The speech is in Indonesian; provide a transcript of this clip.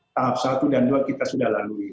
tahap satu dan dua kita sudah lalui